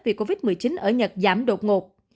vì covid một mươi chín ở nhật giảm đột ngột